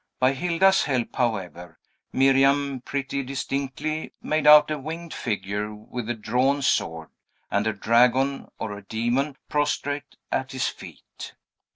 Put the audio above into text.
By Hilda's help, however, Miriam pretty distinctly made out a winged figure with a drawn sword, and a dragon, or a demon, prostrate at his feet.